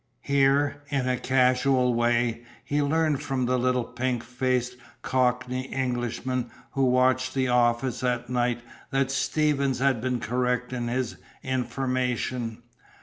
Here, in a casual way, he learned from the little pink faced Cockney Englishman who watched the office at night that Stevens had been correct in his information.